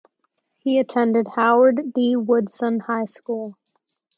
He attended Howard D. Woodson High School.